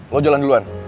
lo jalan duluan